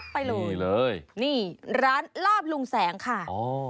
ไปเลยนี่ร้านลาบลุงแสงค่ะอ๋อ